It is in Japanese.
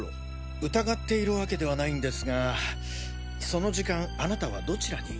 疑っている訳ではないんですがその時間あなたはどちらに？